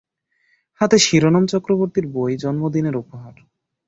হাতে শিবরাম চক্রবর্তীর বই জন্মদিনের উপহার।